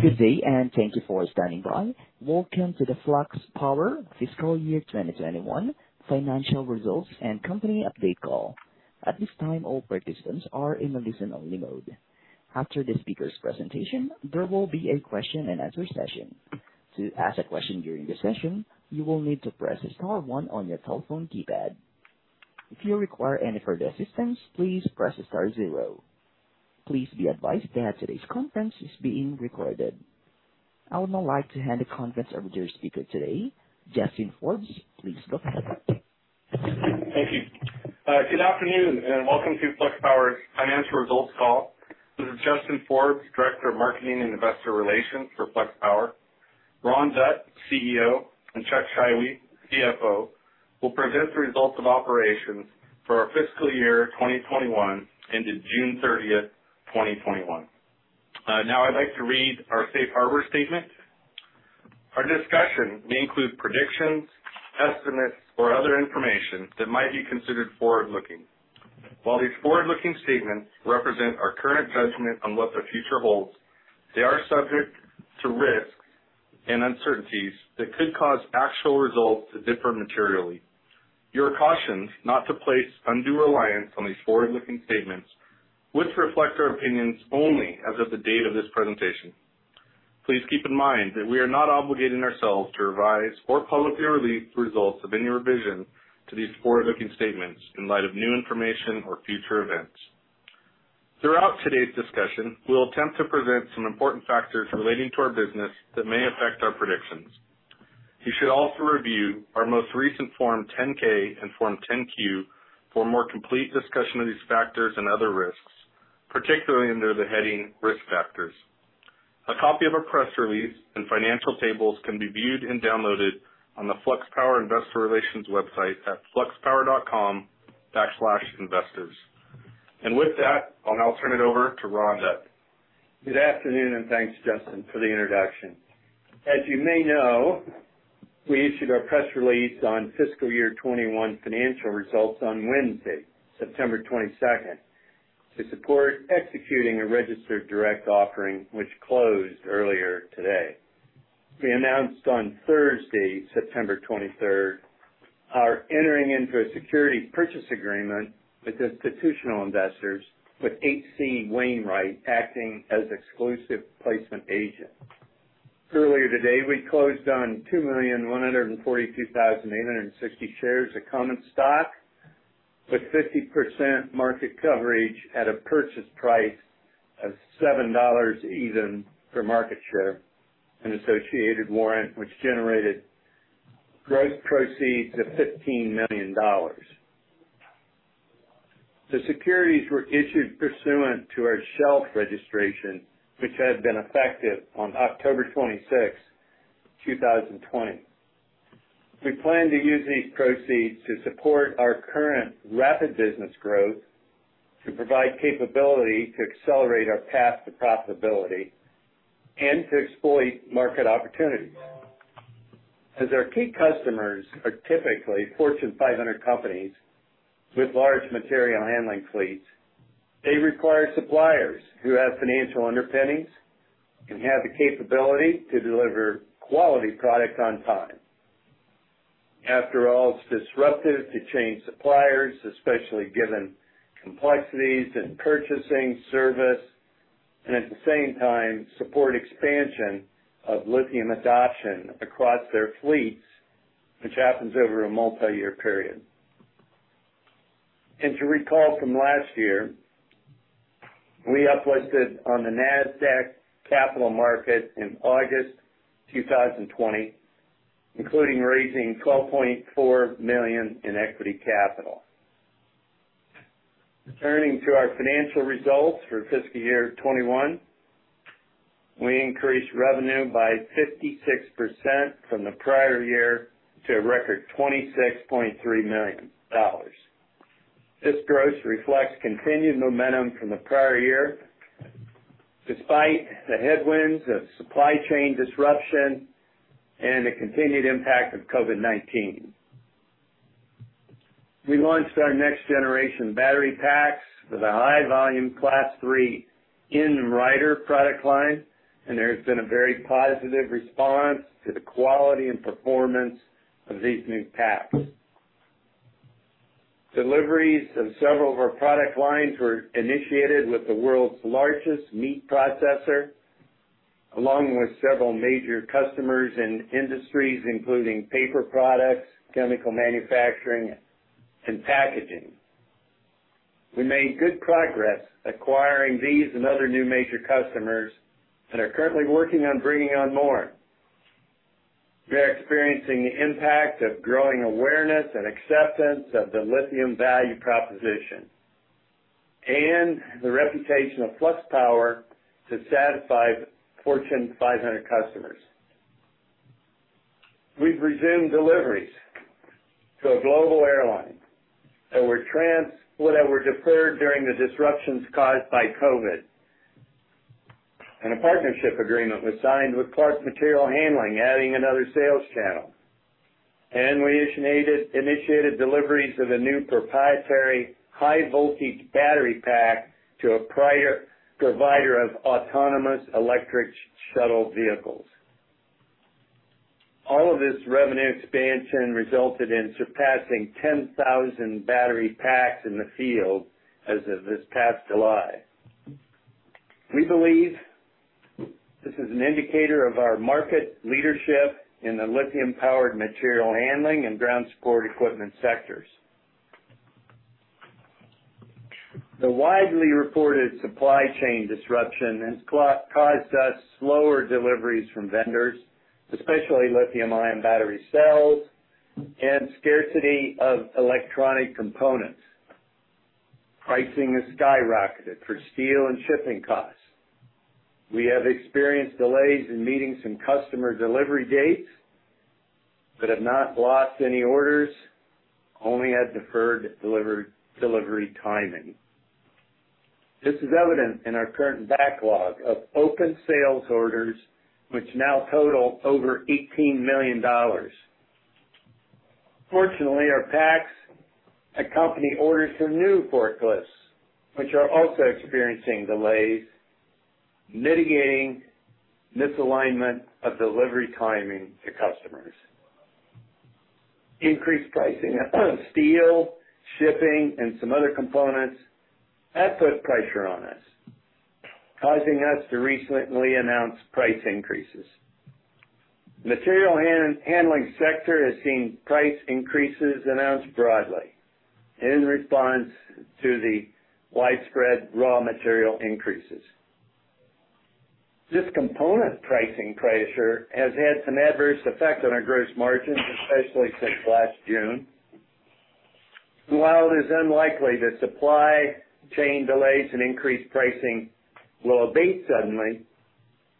Good day. Thank you for standing by. Welcome to the Flux Power Fiscal Year 2021 Financial Results and Company Update Call. I would now like to hand the conference over to your speaker today, Justin Forbes. Please go ahead. Thank you. Good afternoon, and welcome to Flux Power's financial results call. This is Justin Forbes, Director of Marketing and Investor Relations for Flux Power. Ron Dutt, CEO, and Chuck Scheiwe, CFO, will present the results of operations for our fiscal year 2021 ended June 30th, 2021. Now I'd like to read our Safe Harbor statement. Our discussion may include predictions, estimates, or other information that might be considered forward-looking. While these forward-looking statements represent our current judgment on what the future holds, they are subject to risks and uncertainties that could cause actual results to differ materially. You are cautioned not to place undue reliance on these forward-looking statements, which reflect our opinions only as of the date of this presentation. Please keep in mind that we are not obligating ourselves to revise or publicly release results of any revision to these forward-looking statements in light of new information or future events. Throughout today's discussion, we will attempt to present some important factors relating to our business that may affect our predictions. You should also review our most recent Form 10-K and Form 10-Q for a more complete discussion of these factors and other risks, particularly under the heading Risk Factors. A copy of our press release and financial tables can be viewed and downloaded on the Flux Power investor relations website at fluxpower.com/investors. With that, I'll now turn it over to Ron Dutt. Good afternoon, and thanks, Justin, for the introduction. As you may know, we issued our press release on fiscal year 2021 financial results on Wednesday, September 22, to support executing a registered direct offering which closed earlier today. We announced on Thursday, September 23, our entering into a securities purchase agreement with institutional investors with H.C. Wainwright acting as exclusive placement agent. Earlier today, we closed on 2,142,860 shares of common stock with 50% market coverage at a purchase price of $7 even per market share and associated warrant, which generated gross proceeds of $15 million. The securities were issued pursuant to our shelf registration, which had been effective on October 26, 2020. We plan to use these proceeds to support our current rapid business growth, to provide capability to accelerate our path to profitability, and to exploit market opportunities. As our key customers are typically Fortune 500 companies with large material handling fleets, they require suppliers who have financial underpinnings and have the capability to deliver quality product on time. After all, it's disruptive to change suppliers, especially given complexities in purchasing, service, and at the same time support expansion of lithium adoption across their fleets, which happens over a multiyear period. To recall from last year, we uplisted on the Nasdaq Capital Market in August 2020, including raising $12.4 million in equity capital. Turning to our financial results for fiscal year 2021, we increased revenue by 56% from the prior year to a record $26.3 million. This growth reflects continued momentum from the prior year, despite the headwinds of supply chain disruption and the continued impact of COVID-19. We launched our next-generation battery packs with a high-volume Class III end-rider product line, and there has been a very positive response to the quality and performance of these new packs. Deliveries of several of our product lines were initiated with the world's largest meat processor, along with several major customers in industries including paper products, chemical manufacturing, and packaging. We made good progress acquiring these and other new major customers and are currently working on bringing on more. We are experiencing the impact of growing awareness and acceptance of the lithium value proposition and the reputation of Flux Power to satisfy Fortune 500 customers. We've resumed deliveries to a global airline that were deferred during the disruptions caused by COVID, and a partnership agreement was signed with CLARK Material Handling, adding another sales channel. We initiated deliveries of a new proprietary high-voltage battery pack to a provider of autonomous electric shuttle vehicles. All of this revenue expansion resulted in surpassing 10,000 battery packs in the field as of this past July. We believe this is an indicator of our market leadership in the lithium-powered material handling and ground support equipment sectors. The widely reported supply chain disruption has caused us slower deliveries from vendors, especially lithium-ion battery cells and scarcity of electronic components. Pricing has skyrocketed for steel and shipping costs. We have experienced delays in meeting some customer delivery dates but have not lost any orders, only had deferred delivery timing. This is evident in our current backlog of open sales orders, which now total over $18 million. Fortunately, our packs accompany orders for new forklifts, which are also experiencing delays, mitigating misalignment of delivery timing to customers. Increased pricing of steel, shipping, and some other components have put pressure on us, causing us to recently announce price increases. Material handling sector has seen price increases announced broadly in response to the widespread raw material increases. This component pricing pressure has had some adverse effect on our gross margins, especially since last June. While it is unlikely that supply chain delays and increased pricing will abate suddenly,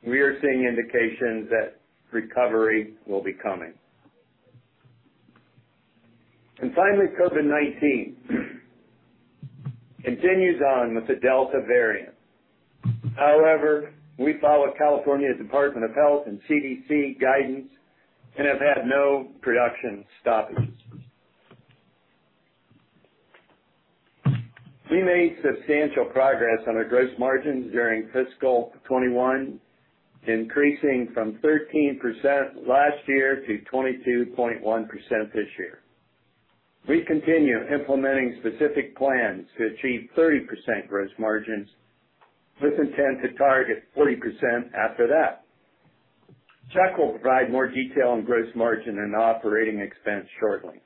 we are seeing indications that recovery will be coming. Finally, COVID-19 continues on with the Delta variant. However, we follow California Department of Public Health and CDC guidance and have had no production stoppages. We made substantial progress on our gross margins during fiscal 2021, increasing from 13% last year to 22.1% this year. We continue implementing specific plans to achieve 30% gross margins with intent to target 40% after that. Chuck will provide more detail on gross margin and operating expense shortly.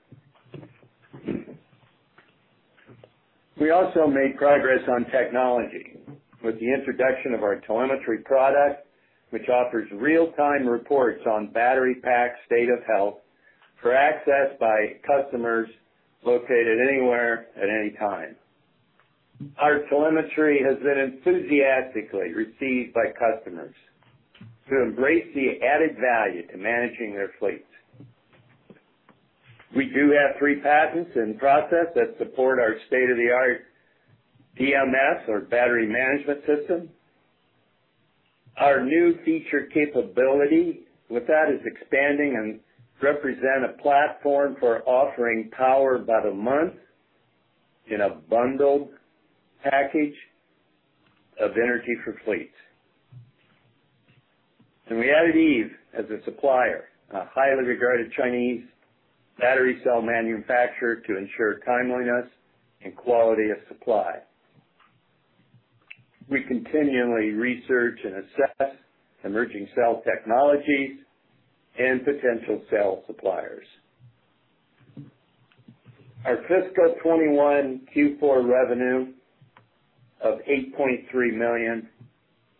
We also made progress on technology with the introduction of our telemetry product, which offers real-time reports on battery pack state of health for access by customers located anywhere at any time. Our telemetry has been enthusiastically received by customers to embrace the added value to managing their fleets. We do have three patents in process that support our state-of-the-art BMS or battery management system. Our new feature capability with that is expanding and represent a platform for offering power by the month in a bundled package of energy for fleets. We added EVE as a supplier, a highly regarded Chinese battery cell manufacturer, to ensure timeliness and quality of supply. We continually research and assess emerging cell technologies and potential cell suppliers. Our fiscal 2021 Q4 revenue of $8.3 million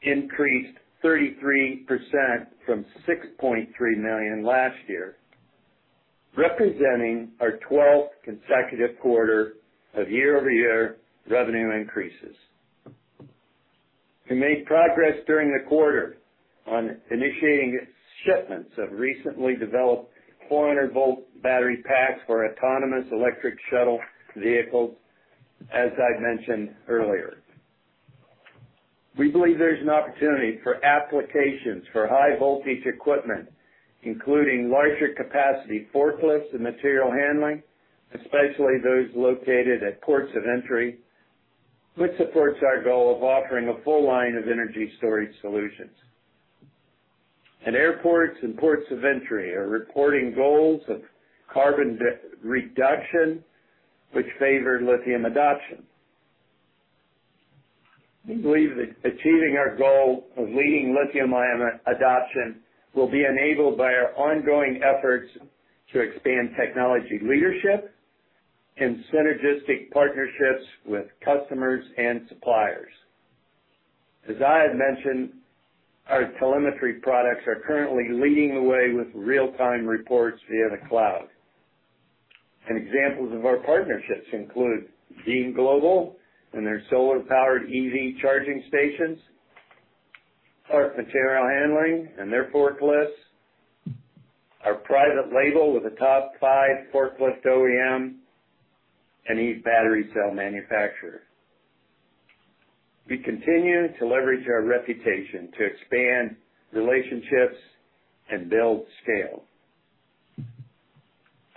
increased 33% from $6.3 million last year, representing our 12th consecutive quarter of year-over-year revenue increases. We made progress during the quarter on initiating shipments of recently developed 400-volt battery packs for autonomous electric shuttle vehicles, as I mentioned earlier. We believe there's an opportunity for applications for high-voltage equipment, including larger capacity forklifts and material handling, especially those located at ports of entry, which supports our goal of offering a full line of energy storage solutions. Airports and ports of entry are reporting goals of carbon reduction, which favor lithium adoption. We believe that achieving our goal of leading lithium-ion adoption will be enabled by our ongoing efforts to expand technology leadership and synergistic partnerships with customers and suppliers. As I had mentioned, our telemetry products are currently leading the way with real-time reports via the cloud. Examples of our partnerships include Beam Global and their solar-powered EV charging stations, CLARK Material Handling and their forklifts, our private label with a top five forklift OEM, and EVE Energy. We continue to leverage our reputation to expand relationships and build scale.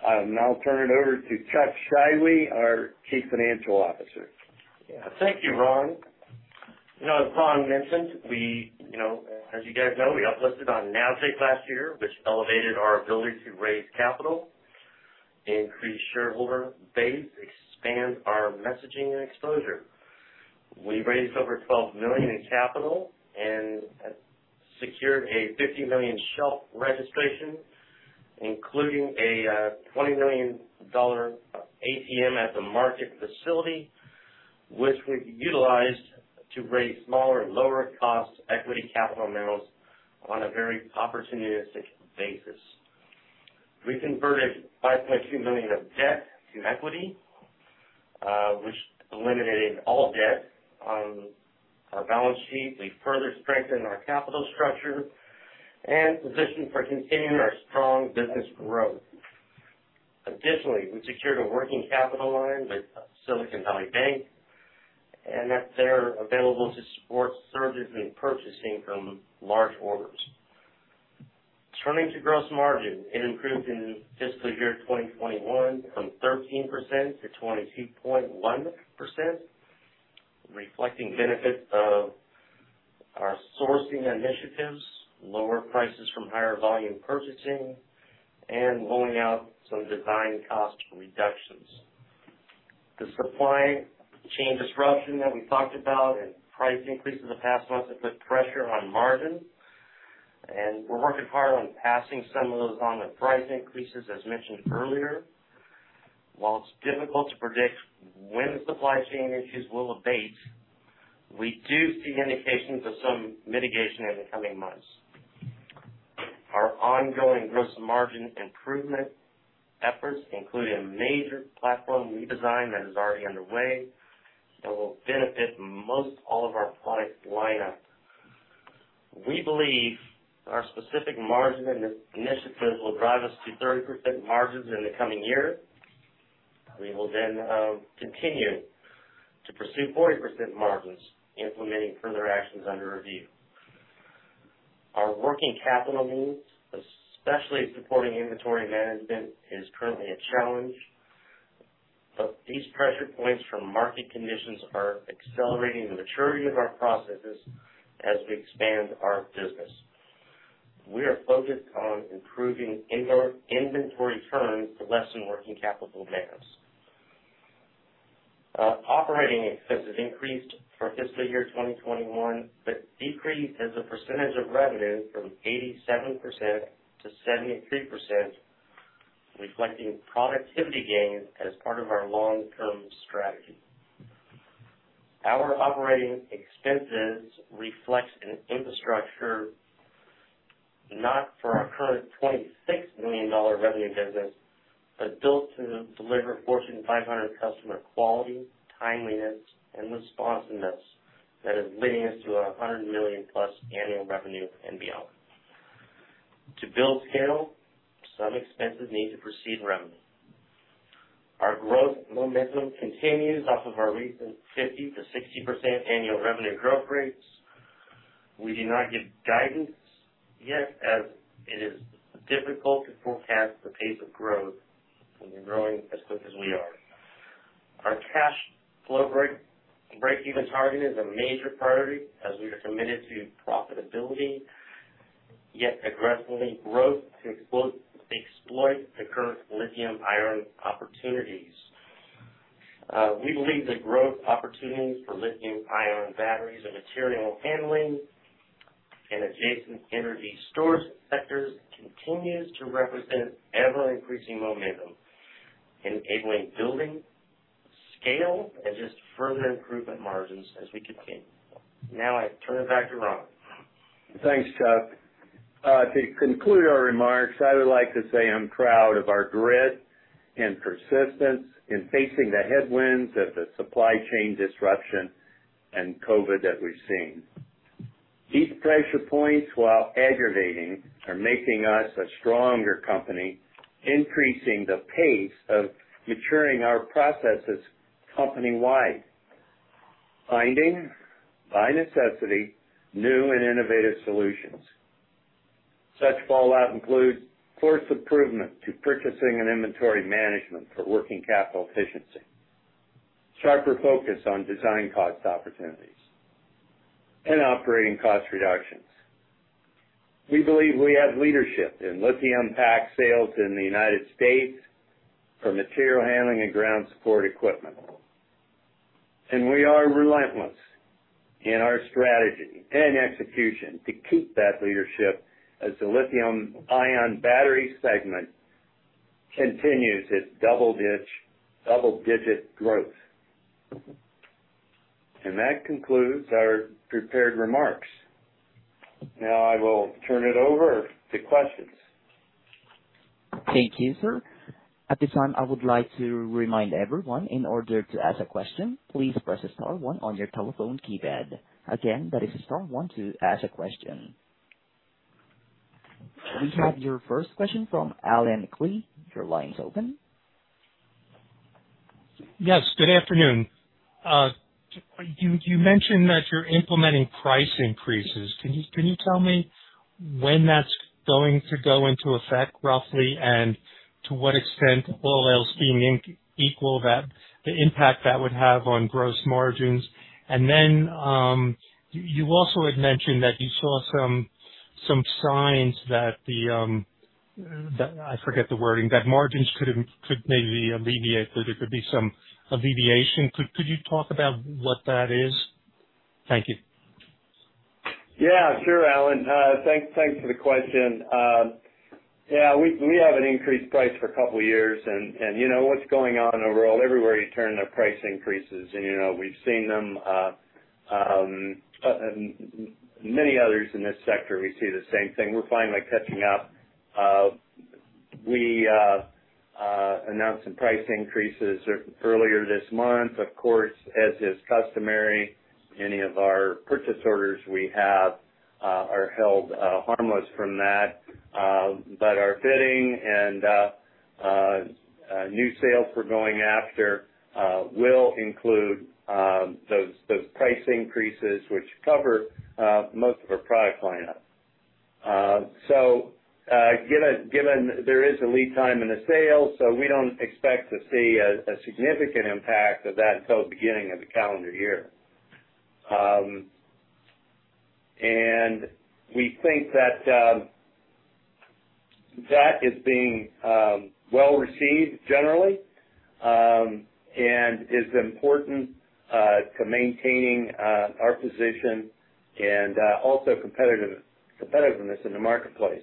I'll now turn it over to Chuck Scheiwe, our Chief Financial Officer. Thank you, Ron. As Ron mentioned, as you guys know, we got listed on Nasdaq last year, which elevated our ability to raise capital, increase shareholder base, expand our messaging and exposure. We raised over $12 million in capital and secured a $50 million shelf registration, including a $20 million ATM at the-market facility, which we've utilized to raise smaller and lower cost equity capital raises on a very opportunistic basis. We converted $5.2 million of debt to equity, which eliminated all debt on our balance sheet. We further strengthened our capital structure and positioned for continuing our strong business growth. Additionally, we secured a working capital line with Silicon Valley Bank, and that's there available to support surges in purchasing from large orders. Turning to gross margin, it improved in fiscal year 2021 from 13% to 22.1%, reflecting benefit of our sourcing initiatives, lower prices from higher volume purchasing, and rolling out some design cost reductions. The supply chain disruption that we talked about and price increases the past months have put pressure on margin, and we're working hard on passing some of those on the price increases, as mentioned earlier. While it's difficult to predict when supply chain issues will abate, we do see indications of some mitigation in the coming months. Our ongoing gross margin improvement efforts include a major platform redesign that is already underway and will benefit most all of our product lineup. We believe our specific margin initiatives will drive us to 30% margins in the coming year. We will then continue to pursue 40% margins, implementing further actions under review. Our working capital needs, especially supporting inventory management, is currently a challenge, but these pressure points from market conditions are accelerating the maturity of our processes as we expand our business. We are focused on improving inventory turns to lessen working capital demands. Operating expenses increased for fiscal year 2021, but decreased as a percentage of revenue from 87% to 73%, reflecting productivity gains as part of our long-term strategy. Our operating expenses reflects an infrastructure not for our current $26 million revenue business, but built to deliver Fortune 500 customer quality, timeliness, and responsiveness that is leading us to $100 million+ annual revenue and beyond. To build scale, some expenses need to precede revenue. Our growth momentum continues off of our recent 50%-60% annual revenue growth rates. We do not give guidance yet as it is difficult to forecast the pace of growth when you're growing as quick as we are. Our cash flow break-even target is a major priority as we are committed to profitability, yet aggressively grow to exploit the current lithium-ion opportunities. We believe the growth opportunities for lithium-ion batteries and material handling and adjacent energy storage sectors continues to represent ever-increasing momentum, enabling building scale and just further improvement margins as we continue. I turn it back to Ron. Thanks, Chuck. To conclude our remarks, I would like to say I'm proud of our grit and persistence in facing the headwinds of the supply chain disruption and COVID that we've seen. These pressure points, while aggravating, are making us a stronger company, increasing the pace of maturing our processes company-wide, finding, by necessity, new and innovative solutions. Such fallout includes forced improvement to purchasing and inventory management for working capital efficiency, sharper focus on design cost opportunities, and operating cost reductions. We believe we have leadership in lithium pack sales in the United States for material handling and ground support equipment. We are relentless in our strategy and execution to keep that leadership as the lithium-ion battery segment continues its double-digit growth. That concludes our prepared remarks. Now I will turn it over to questions. Thank you, sir. At this time, I would like to remind everyone, in order to ask a question, please press star one on your telephone keypad. Again, that is star one to ask a question. We have your first question from Allen Klee. Your line is open. Yes, good afternoon. You mentioned that you're implementing price increases. Can you tell me when that's going to go into effect, roughly, and to what extent, all else being equal, the impact that would have on gross margins? You also had mentioned that you saw some signs that, I forget the wording, that margins could maybe alleviate, that there could be some alleviation. Could you talk about what that is? Thank you. Yeah, sure, Allen. Thanks for the question. Yeah, we haven't increased price for a couple of years. You know what's going on overall, everywhere you turn, there are price increases, and we've seen them. Many others in this sector, we see the same thing. We're finally catching up. We announced some price increases earlier this month. Of course, as is customary, any of our purchase orders we have are held harmless from that. Our bidding and new sales we're going after will include those price increases, which cover most of our product lineup. Given there is a lead time in the sale, so we don't expect to see a significant impact of that until the beginning of the calendar year. We think that is being well-received generally, and is important to maintaining our position and also competitiveness in the marketplace.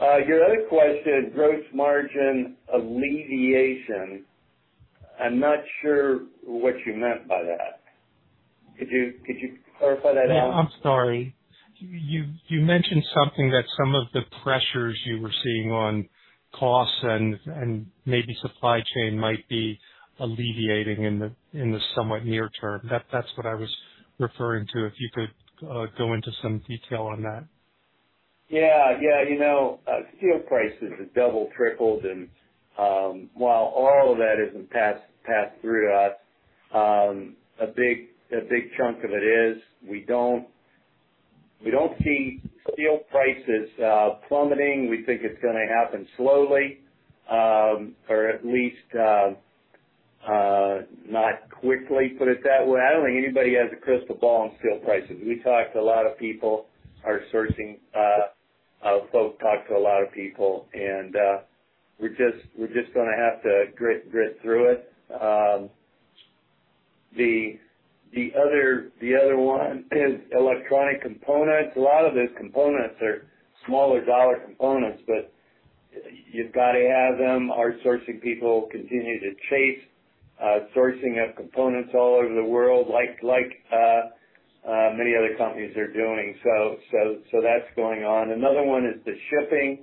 Your other question, gross margin alleviation. I'm not sure what you meant by that. Could you clarify that, Allen? I'm sorry. You mentioned something that some of the pressures you were seeing on costs and maybe supply chain might be alleviating in the somewhat near term. That's what I was referring to, if you could go into some detail on that. Yeah. Steel prices have double, tripled, While all of that isn't passed through to us, a big chunk of it is. We don't see steel prices plummeting. We think it's going to happen slowly, or at least not quickly, put it that way. I don't think anybody has a crystal ball on steel prices. We talk to a lot of people. Our sourcing folks talk to a lot of people, We're just going to have to grit through it. The other one is electronic components. A lot of the components are smaller dollar components, You've got to have them. Our sourcing people continue to chase sourcing of components all over the world, like many other companies are doing. That's going on. Another one is the shipping.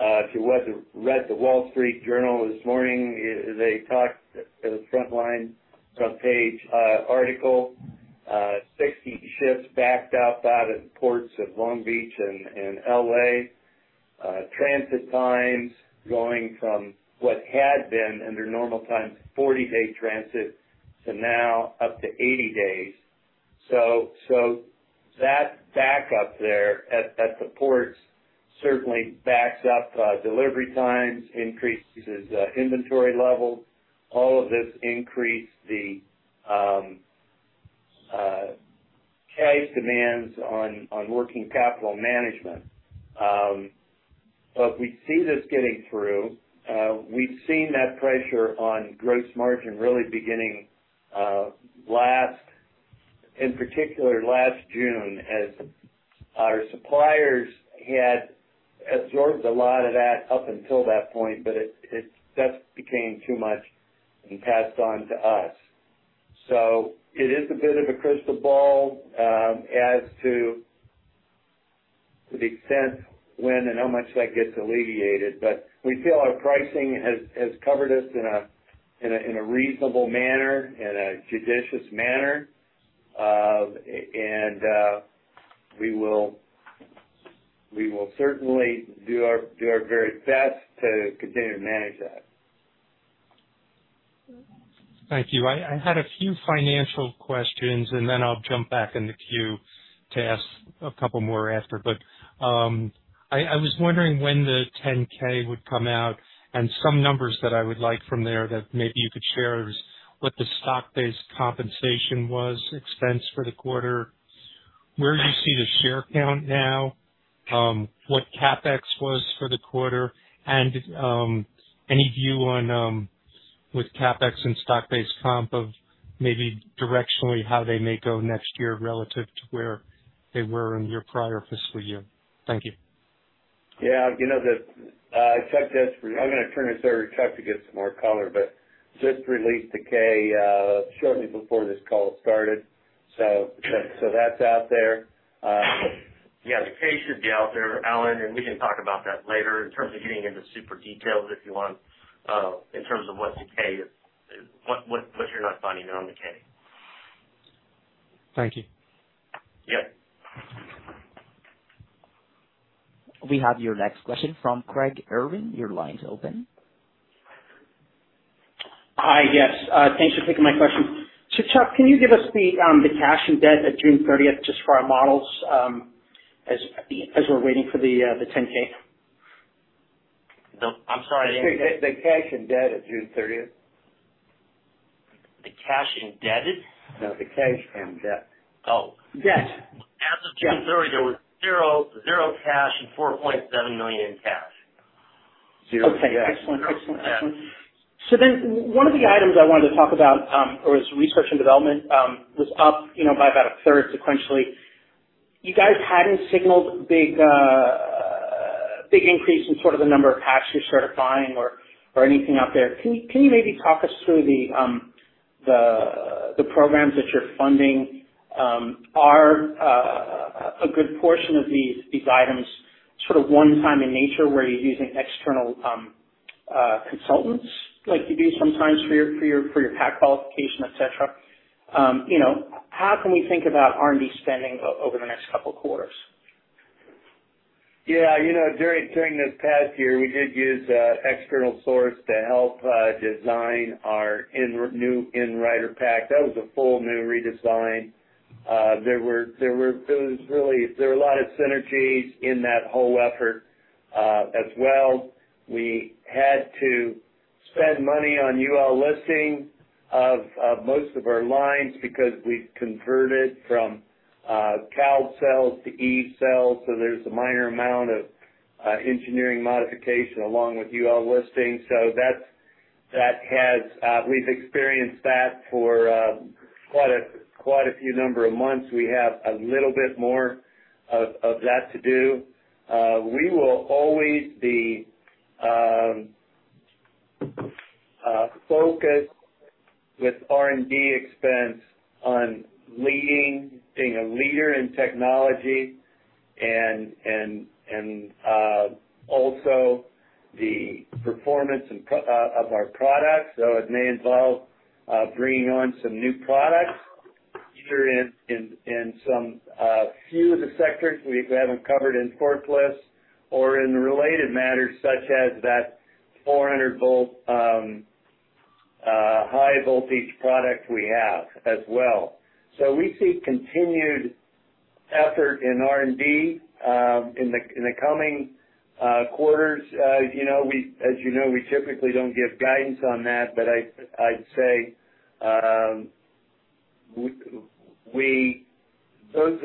If you read "The Wall Street Journal" this morning, it was a front page article. 60 ships backed up out in the ports of Long Beach and L.A. Transit times going from what had been under normal times, 40-day transit to now up to 80 days. That backup there at the ports certainly backs up delivery times, increases inventory levels, all of this increase the cash demands on working capital management. We see this getting through. We've seen that pressure on gross margin really beginning, in particular, last June, as our suppliers had absorbed a lot of that up until that point, but that became too much and passed on to us. It is a bit of a crystal ball as to the extent when and how much that gets alleviated. We feel our pricing has covered us in a reasonable manner, in a judicious manner, and we will certainly do our very best to continue to manage that. Thank you. I had a few financial questions. I'll jump back in the queue to ask a couple more after. I was wondering when the 10-K would come out and some numbers that I would like from there that maybe you could share is what the stock-based compensation was, expense for the quarter, where you see the share count now, what CapEx was for the quarter, and any view on with CapEx and stock-based comp of maybe directionally how they may go next year relative to where they were in your prior fiscal year. Thank you. Yeah. I'm going to turn it over to Chuck to give some more color, but just released the K shortly before this call started. That's out there. The K should be out there, Allen, and we can talk about that later in terms of getting into super details, if you want, in terms of what you're not finding on the K. Thank you. Yep. We have your next question from Craig Irwin. Your line's open. Hi. Yes. Thanks for taking my question. Chuck, can you give us the cash and debt at June 30th just for our models, as we're waiting for the 10-K? No, I'm sorry, I didn't get. The cash and debt at June 30th. The cash indebted? No, the cash and debt. Oh. Debt. As of June 30, there was $0 cash and $4.7 million in cash. $0 cash. Okay. Excellent. Yeah. One of the items I wanted to talk about was research and development was up by about a third sequentially. You guys hadn't signaled big increase in the number of packs you're certifying or anything out there. Can you maybe talk us through the programs that you're funding? Are a good portion of these items one-time in nature where you're using external consultants like you do sometimes for your pack qualification, et cetera. How can we think about R&D spending over the next couple of quarters? Yeah. During this past year, we did use a external source to help design our new end-rider pack. That was a full new redesign. There were a lot of synergies in that whole effort, as well. We had to spend money on UL listing of most of our lines because we've converted from cylindrical cells to EVE cells, so there's a minor amount of engineering modification along with UL listing. We've experienced that for quite a few number of months. We have a little bit more of that to do. We will always be, focused with R&D expense on being a leader in technology and also the performance of our products. It may involve bringing on some new products, either in some few of the sectors we haven't covered in forklifts or in related matters such as that 400-volt, high-voltage product we have as well. We see continued effort in R&D, in the coming quarters. You know, we typically don't give guidance on that. I'd say those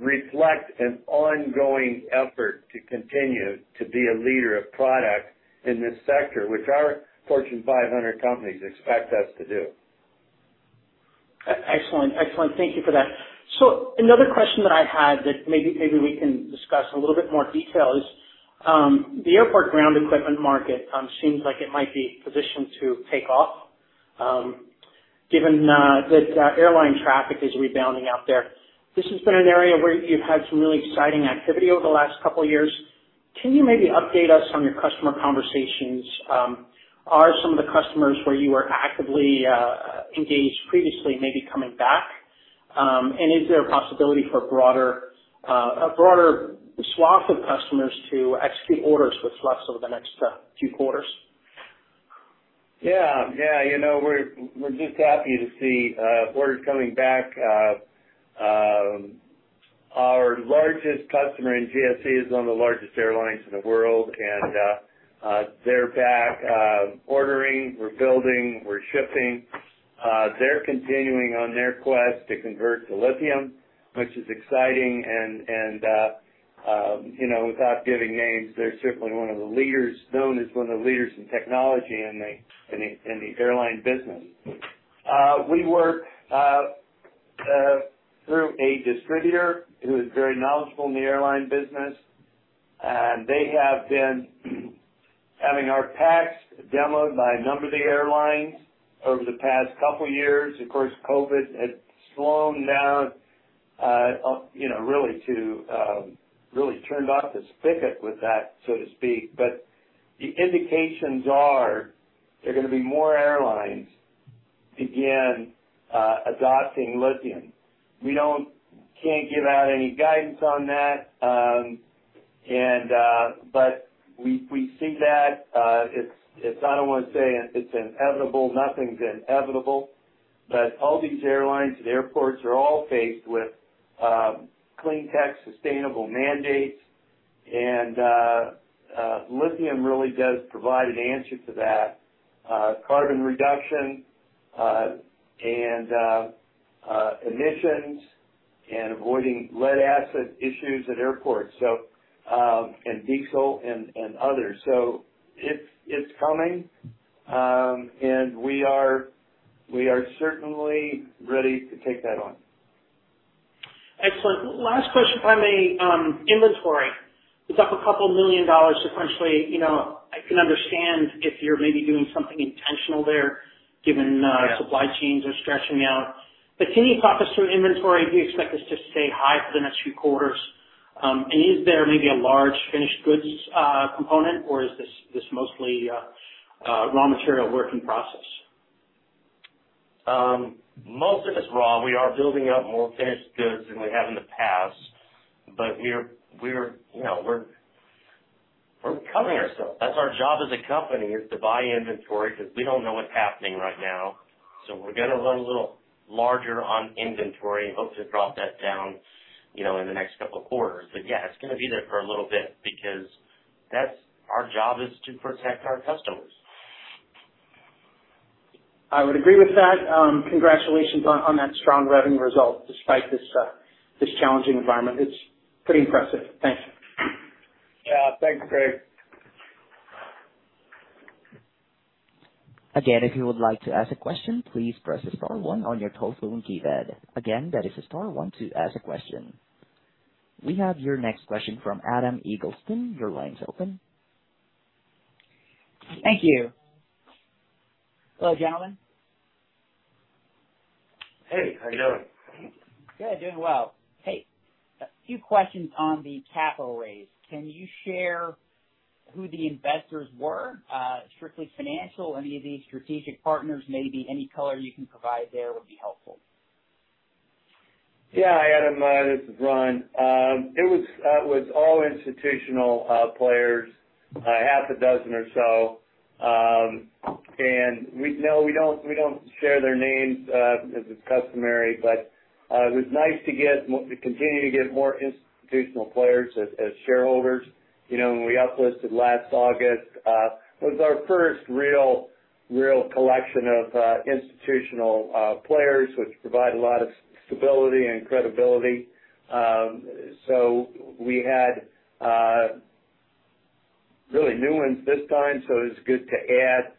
reflect an ongoing effort to continue to be a leader of product in this sector, which our Fortune 500 companies expect us to do. Excellent. Thank you for that. Another question that I had that maybe we can discuss in a little bit more detail is, the airport ground equipment market seems like it might be positioned to take off, given that airline traffic is rebounding out there. This has been an area where you've had some really exciting activity over the last couple of years. Can you maybe update us on your customer conversations? Are some of the customers where you were actively engaged previously maybe coming back? Is there a possibility for a broader swath of customers to execute orders with Flux Power over the next few quarters? We're just happy to see orders coming back. Our largest customer in GSE is one of the largest airlines in the world, they're back ordering, we're building, we're shipping. They're continuing on their quest to convert to lithium, which is exciting and without giving names, they're certainly known as one of the leaders in technology in the airline business. We work through a distributor who is very knowledgeable in the airline business, and they have been having our packs demoed by a number of the airlines over the past couple of years. Of course, COVID had slowed down, really turned off the spigot with that, so to speak, but the indications are there are gonna be more airlines begin adopting lithium. We can't give out any guidance on that, but we see that. I don't want to say it's inevitable. Nothing's inevitable, all these airlines and airports are all faced with clean tech, sustainable mandates and lithium really does provide an answer to that, carbon reduction, and emissions and avoiding lead-acid issues at airports and diesel and others. It's coming, and we are certainly ready to take that on. Excellent. Last question, if I may. Inventory is up a couple million dollars sequentially. I can understand if you're maybe doing something intentional there given. Yeah Supply chains are stretching out. Can you talk us through inventory? Do you expect this to stay high for the next few quarters? Is there maybe a large finished goods component, or is this mostly raw material work in process? Most of it's raw. We are building up more finished goods than we have in the past, we're covering ourselves. That's our job as a company, is to buy inventory because we don't know what's happening right now. We're going to run a little larger on inventory and hope to drop that down in the next couple of quarters. Yeah, it's going to be there for a little bit because that's our job, is to protect our customers. I would agree with that. Congratulations on that strong revenue result despite this challenging environment. It's pretty impressive. Thanks. Yeah. Thanks, Craig. Again, if you would like to ask a question, please press star one on your telephone keypad. Again, that is star one to ask a question. We have your next question from Adam Eagleston. Your line's open. Thank you. Hello, gentlemen. Hey, how you doing? Good. Doing well. Hey, a few questions on the capital raise. Can you share who the investors were? Strictly financial, any of the strategic partners maybe, any color you can provide there would be helpful. Yeah. Adam, this is Ron. It was all institutional players, half a dozen or so. No, we don't share their names, as is customary, but it was nice to continue to get more institutional players as shareholders. When we uplisted last August, it was our first real collection of institutional players, which provide a lot of stability and credibility. We had really new ones this time, so it was good to add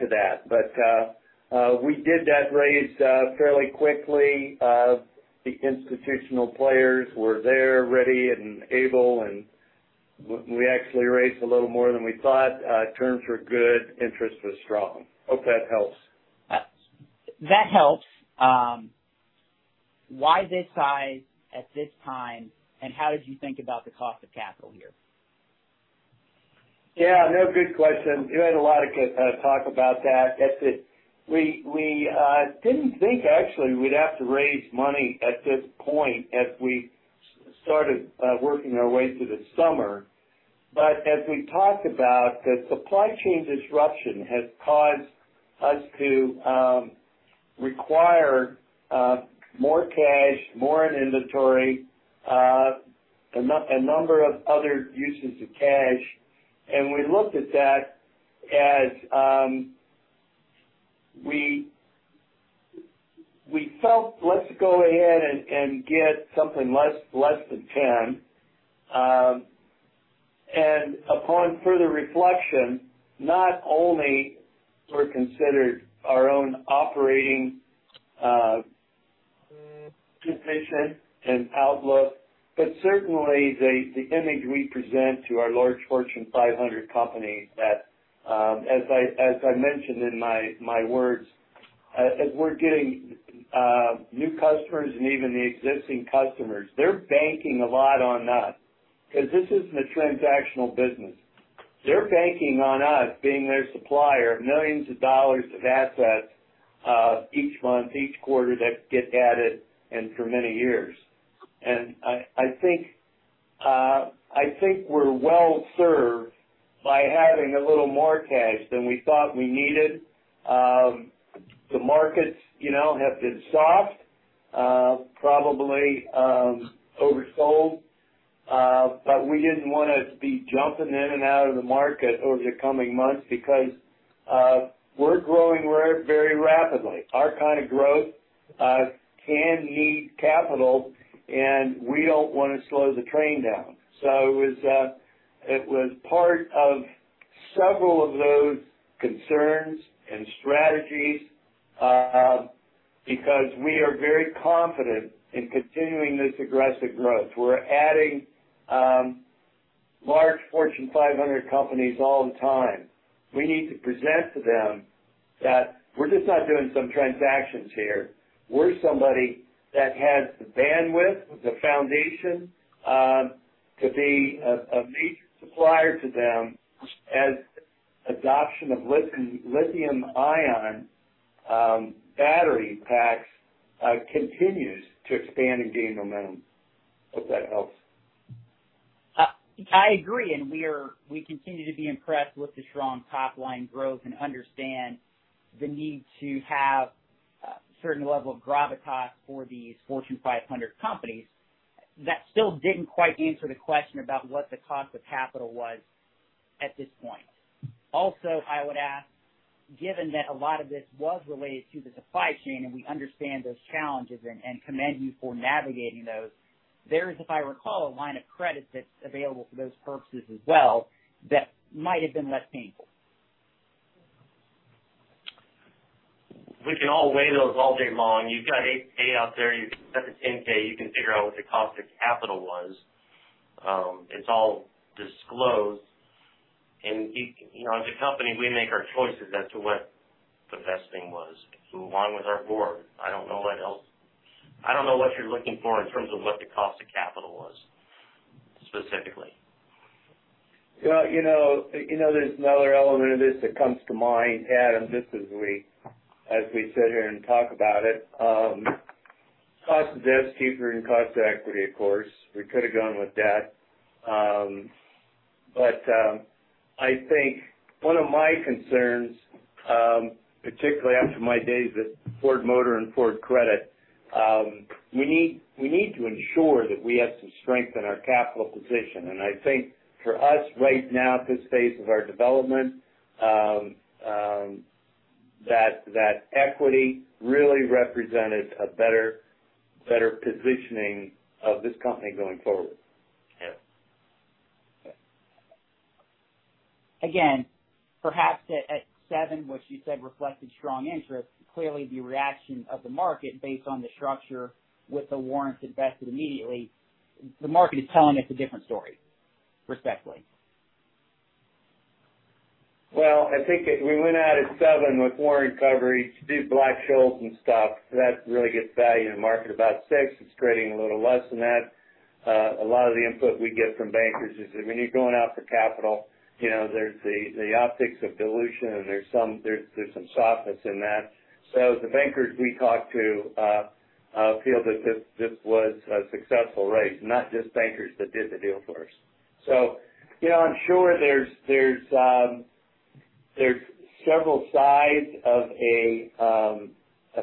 to that. We did that raise fairly quickly. The institutional players were there, ready and able, and we actually raised a little more than we thought. Terms were good. Interest was strong. Hope that helps. That helps. Why this size at this time, and how did you think about the cost of capital here? Yeah, no, good question. You had a lot of talk about that. We didn't think, actually, we'd have to raise money at this point as we started working our way through the summer. As we talked about, the supply chain disruption has caused us to require more cash, more in inventory, a number of other uses of cash. We looked at that as we felt, let's go ahead and get something less than 10. Upon further reflection, not only we considered our own operating position and outlook, but certainly the image we present to our large Fortune 500 company that, as I mentioned in my words, as we're getting new customers and even the existing customers, they're banking a lot on us because this isn't a transactional business. They're banking on us being their supplier of millions of dollars of assets each month, each quarter that get added for many years. I think we're well-served by having a little more cash than we thought we needed. The markets have been soft, probably oversold, we didn't want to be jumping in and out of the market over the coming months because we're growing very rapidly. Our kind of growth can need capital, we don't want to slow the train down. It was part of several of those concerns and strategies, because we are very confident in continuing this aggressive growth. We're adding large Fortune 500 companies all the time. We need to present to them that we're just not doing some transactions here. We're somebody that has the bandwidth, the foundation, to be a major supplier to them as adoption of lithium-ion battery packs continues to expand and gain momentum. Hope that helps. I agree, and we continue to be impressed with the strong top-line growth and understand the need to have a certain level of gravitas for these Fortune 500 companies. That still didn't quite answer the question about what the cost of capital was at this point. Also, I would ask, given that a lot of this was related to the supply chain, and we understand those challenges and commend you for navigating those, there is, if I recall, a line of credit that's available for those purposes as well that might have been less painful. We can all weigh those all day long. You've got 8-K out there. You've got the 10-K. You can figure out what the cost of capital was. It's all disclosed. As a company, we make our choices as to what the best thing was. Along with our board, I don't know what you're looking for in terms of what the cost of capital was, specifically. There's another element of this that comes to mind, Adam, just as we sit here and talk about it. Cost of debt is cheaper than cost of equity, of course. We could have gone with debt. I think one of my concerns, particularly after my days at Ford Motor and Ford Credit, we need to ensure that we have some strength in our capital position. I think for us right now at this phase of our development, that equity really represented a better positioning of this company going forward. Yeah. Okay. Perhaps at $7, which you said reflected strong interest, clearly the reaction of the market based on the structure with the warrants invested immediately, the market is telling us a different story. Respectfully. Well, I think that we went out at $7 with warrant coverage to do Black-Scholes and stuff. That really gets value to market about $6. It's trading a little less than that. A lot of the input we get from bankers is that when you're going out for capital, there's the optics of dilution, and there's some softness in that. The bankers we talked to feel that this was a successful raise, not just bankers that did the deal for us. I'm sure there's several sides of a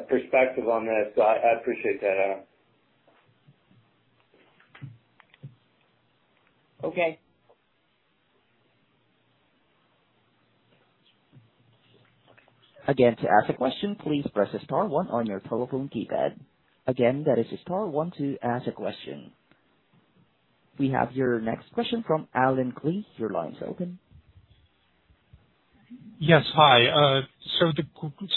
perspective on this. I appreciate that, Adam. Okay. We have your next question from Allen Klee. Your line's open. Yes. Hi. The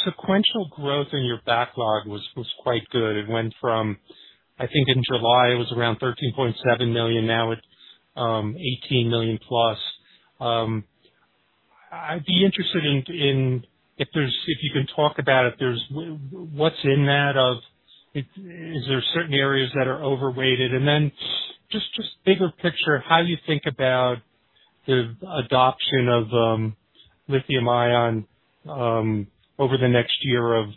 sequential growth in your backlog was quite good. I think in July it was around $13.7 million. Now it's $18 million+. I'd be interested if you can talk about it, what's in that? Is there certain areas that are overweighted? Just bigger picture, how you think about the adoption of lithium-ion over the next year, of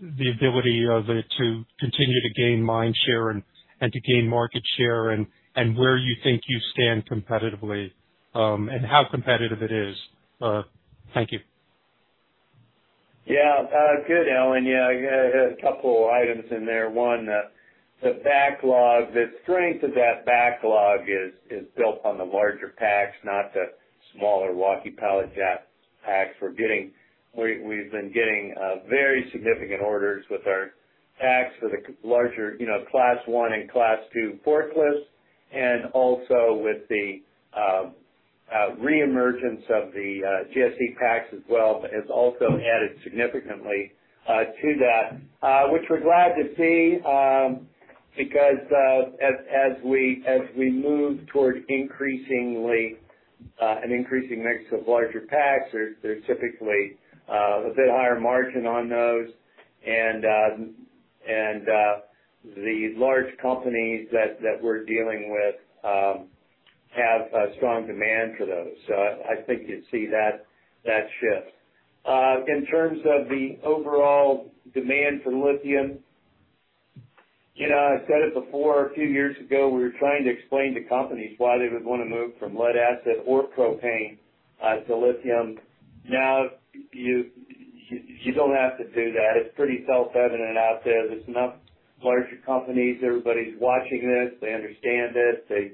the ability of it to continue to gain mind share and to gain market share and where you think you stand competitively and how competitive it is. Thank you. Yeah. Good, Allen. Yeah, a couple of items in there. One, the backlog. The strength of that backlog is built on the larger packs, not the smaller walkie pallet jack packs we're getting. We've been getting very significant orders with our packs for the larger Class I and Class II forklifts, and also with the reemergence of the GSE packs as well, has also added significantly to that which we're glad to see, because as we move towards an increasing mix of larger packs, there's typically a bit higher margin on those. The large companies that we're dealing with have a strong demand for those. I think you'd see that shift. In terms of the overall demand for lithium, I said it before, a few years ago, we were trying to explain to companies why they would want to move from lead acid or propane to lithium. You don't have to do that. It's pretty self-evident out there. There's enough larger companies. Everybody's watching this. They understand it. The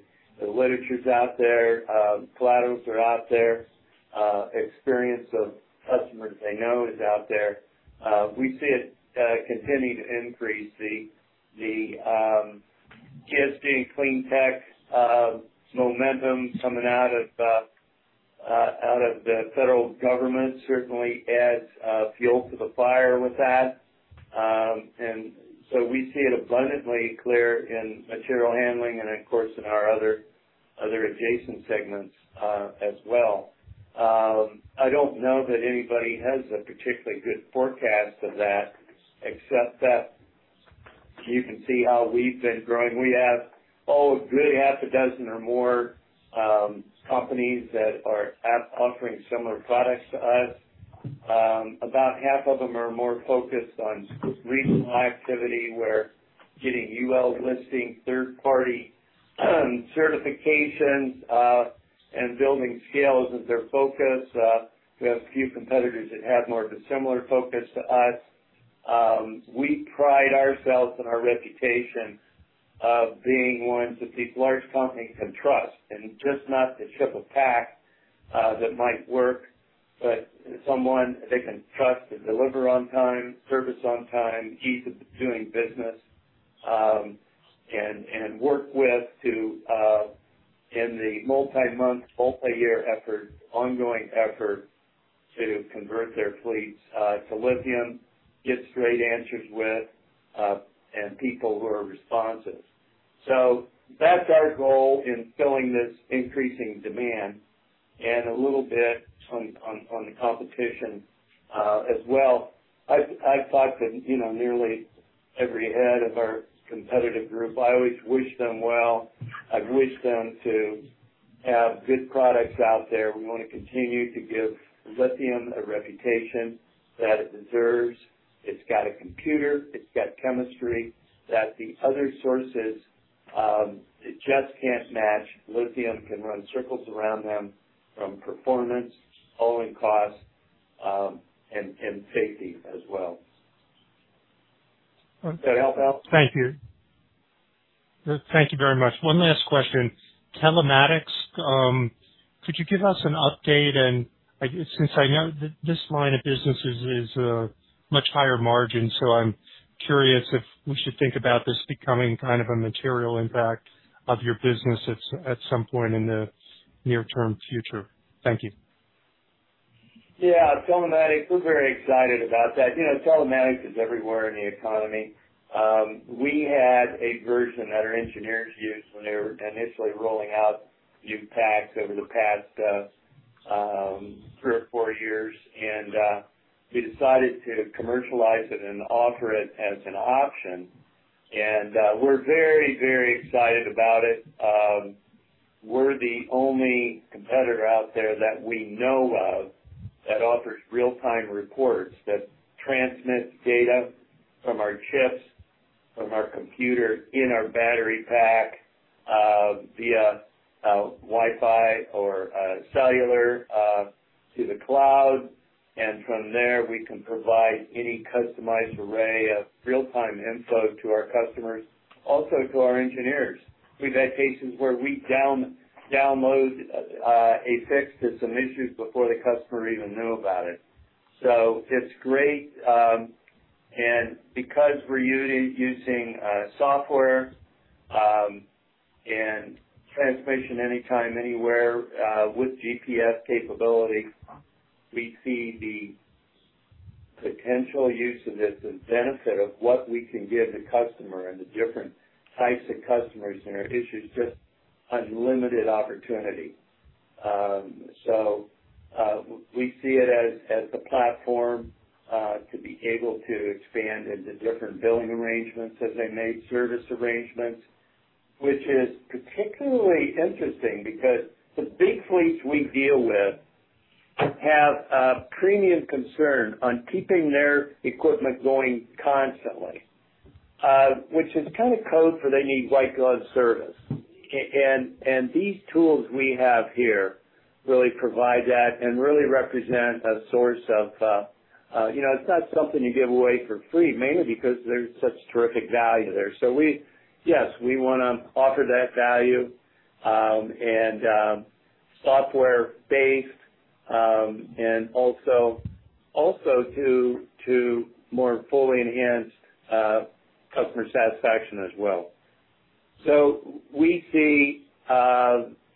literature's out there. Collaterals are out there. Experience of customers they know is out there. We see it continuing to increase. The GSE and clean tech momentum coming out of the federal government certainly adds fuel to the fire with that. We see it abundantly clear in material handling and of course in our other adjacent segments, as well. I don't know that anybody has a particularly good forecast of that, except that you can see how we've been growing. We have nearly half a dozen or more companies that are offering similar products to us. About half of them are more focused on regional activity where getting UL Listed, third-party certifications, and building scale isn't their focus. We have a few competitors that have more of a similar focus to us. We pride ourselves on our reputation of being ones that these large companies can trust, and just not to ship a pack that might work, but someone they can trust to deliver on time, service on time, ease of doing business, and work with in the multi-month, multi-year effort, ongoing effort to convert their fleets to lithium, get straight answers with, and people who are responsive. That's our goal in filling this increasing demand and a little bit on the competition as well. I've talked to nearly every head of our competitive group. I always wish them well. I'd wish them to have good products out there. We want to continue to give lithium a reputation that it deserves. It's got a computer, it's got chemistry that the other sources just can't match. Lithium can run circles around them from performance, lowering cost, and safety as well. Does that help out? Thank you. Thank you very much. One last question. Telematics, could you give us an update? Since I know that this line of business is much higher margin, I'm curious if we should think about this becoming kind of a material impact of your business at some point in the near term future. Thank you. Yeah, telematics, we're very excited about that. Telematics is everywhere in the economy. We had a version that our engineers used when they were initially rolling out new packs over the past three or four years, and we decided to commercialize it and offer it as an option. We're very excited about it. We're the only competitor out there that we know of that offers real-time reports that transmits data from our chips, from our computer in our battery pack, via Wi-Fi or cellular to the cloud. From there, we can provide any customized array of real-time info to our customers, also to our engineers. We've had cases where we download a fix to some issues before the customer even knew about it. It's great. Because we're using software, and transmission anytime, anywhere, with GPS capability, we see the potential use of this, the benefit of what we can give the customer and the different types of customers and our issues, just unlimited opportunity. We see it as the platform, to be able to expand into different billing arrangements as they make service arrangements, which is particularly interesting because the big fleets we deal with have a premium concern on keeping their equipment going constantly, which is kind of code for they need white-glove service. These tools we have here really provide that and really represent. It's not something you give away for free, mainly because there's such terrific value there. Yes, we want to offer that value, and software-based, and also to more fully enhance customer satisfaction as well. We see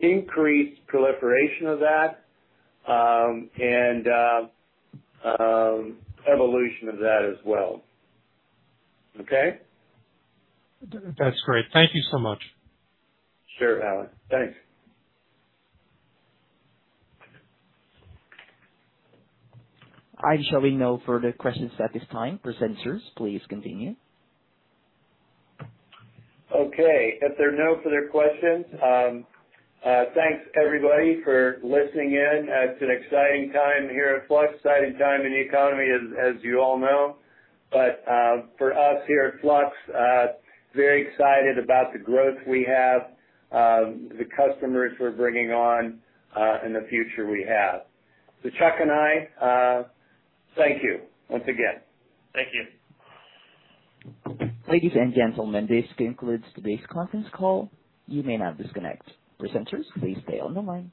increased proliferation of that, and evolution of that as well. Okay? That's great. Thank you so much. Sure, Allen. Thanks. I'm showing no further questions at this time. Presenters, please continue. Okay. If there are no further questions, thanks everybody for listening in. It's an exciting time here at Flux. Exciting time in the economy as you all know. For us here at Flux, very excited about the growth we have, the customers we're bringing on, and the future we have. Chuck and I, thank you once again. Thank you. Ladies and gentlemen, this concludes today's conference call. You may now disconnect. Presenters, please stay on the line.